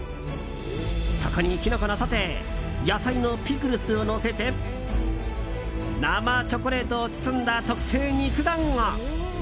そこにキノコのソテー野菜のピクルスをのせて生チョコレートを包んだ特製肉団子。